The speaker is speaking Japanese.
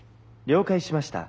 「了解しました。